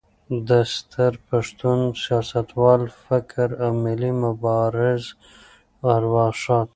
د ستر پښتون، سیاستوال، مفکر او ملي مبارز ارواښاد